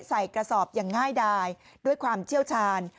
ใส่กระสอบอย่างง่ายดายด้วยความเชี่ยวชาญ